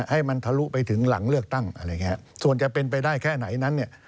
ให้มันทะลุไปถึงหลังเลือกตั้งส่วนจะเป็นไปได้แค่ไหนนั้น